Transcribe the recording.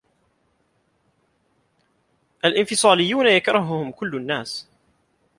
الإنفصاليون يكرههم كل الناس.